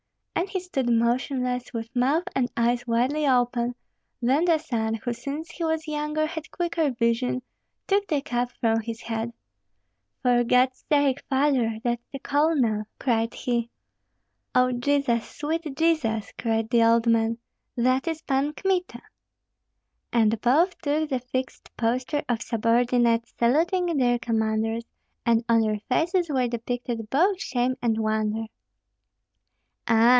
And he stood motionless, with mouth and eyes widely open; then the son, who since he was younger had quicker vision, took the cap from his head. "For God's sake, father! that's the colonel!" cried he. "O Jesus! sweet Jesus!" cried the old man, "that is Pan Kmita!" And both took the fixed posture of subordinates saluting their commanders, and on their faces were depicted both shame and wonder. "Ah!